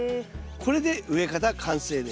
これで植え方完成です。